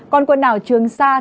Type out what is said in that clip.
còn quần đảo trường sa